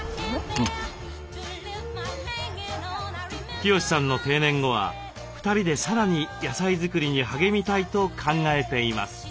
清志さんの定年後は２人でさらに野菜作りに励みたいと考えています。